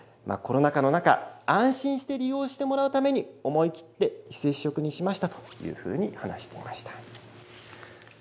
コロナ禍の中、安心して利用してもらうために、思い切って非接触にしましたというふうに話していました。